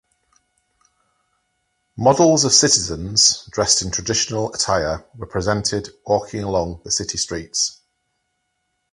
Models of citizens dressed in traditional attire were presented walking along the city streets.